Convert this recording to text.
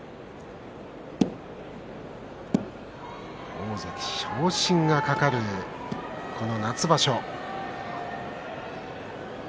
大関昇進が懸かるこの夏場所です。